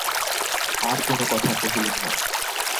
আর কোনো কথা কহিলেন না।